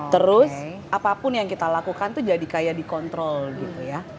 terus apapun yang kita lakukan tuh jadi kayak dikontrol gitu ya